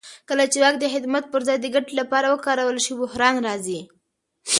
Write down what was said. کله چې واک د خدمت پر ځای د ګټې لپاره وکارول شي بحران راځي